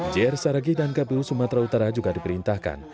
jr saragi dan kpu sumatera utara juga diperintahkan